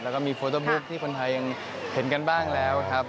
แล้วก็มีโฟเตอร์บุ๊คที่คนไทยยังเห็นกันบ้างแล้วครับ